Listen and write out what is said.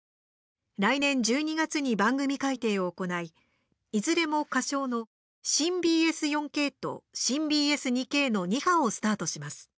来年１２月に番組改定を行いいずれも仮称の「新ＢＳ４Ｋ」と「新ＢＳ２Ｋ」の２波をスタートします。